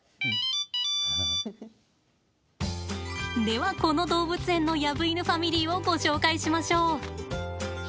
では、この動物園のヤブイヌファミリーをご紹介しましょう。